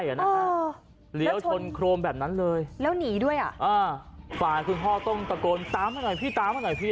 ใช่แล้วชนโครมแบบนั้นเลยแล้วหนีด้วยฝ่าขึ้นห้อต้องตะโกนตามให้หน่อยพี่ตามให้หน่อยพี่